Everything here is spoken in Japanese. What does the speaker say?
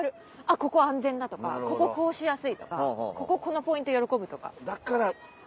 ここ安全だとかこここうしやすいとかこここのポイント喜ぶとか。